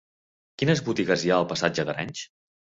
Quines botigues hi ha al passatge d'Arenys?